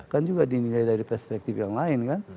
kan juga dinilai dari perspektif yang lain kan